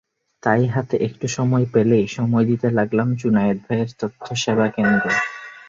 তাই হাতে একটু সময় পেলেই সময় দিতে লাগলাম জুনায়েদ ভাইয়ের তথ্যসেবা কেন্দ্রে।